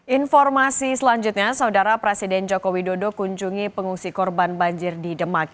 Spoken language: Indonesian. informasi selanjutnya saudara presiden joko widodo kunjungi pengungsi korban banjir di demak